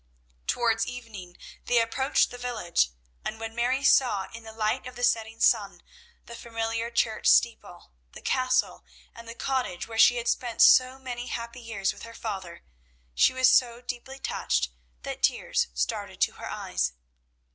Towards evening they approached the village, and when Mary saw in the light of the setting sun the familiar church steeple, the Castle, and the cottage where she had spent so many happy years with her father, she was so deeply touched that tears started to her eyes.